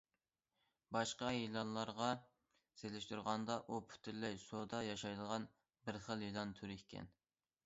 باشقا يىلانلارغا سېلىشتۇرغاندا ئۇ پۈتۈنلەي سۇدا ياشايدىغان بىر خىل يىلان تۈرى ئىكەن.